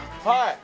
はい。